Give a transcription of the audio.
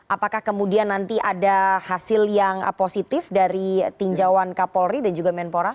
apakah kemudian nanti ada hasil yang positif dari tinjauan kapolri dan juga menpora